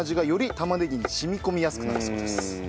玉ねぎに染み込みやすくなるそうです。